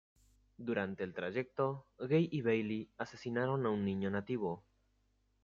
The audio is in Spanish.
Durante el trayecto, Gay y Bailey asesinaron a un niño nativo.